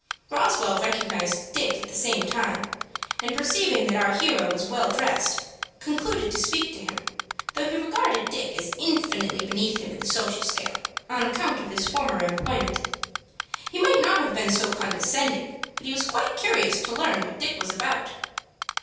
Roswell recognized Dick at the same time, and perceiving that our hero was well dressed, concluded to speak to him, though he regarded Dick as infinitely beneath himself in the social scale, on account of his former employment. He might not have been so condescending, but he was curious to learn what Dick was about.